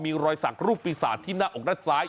มีรอยสักรูปปีศาจที่หน้าอกด้านซ้าย